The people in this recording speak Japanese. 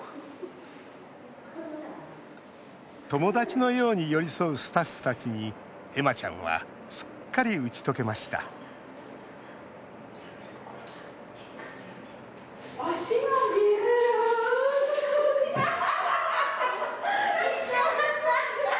友達のように寄り添うスタッフたちに恵麻ちゃんはすっかり打ち解けました足が見える！